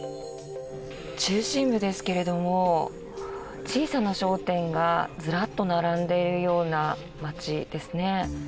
中心部ですけれども小さな商店がずらっと並んでいるような町ですね。